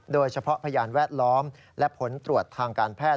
โดยเฉพาะพยานแวดล้อมและผลตรวจทางการแพทย์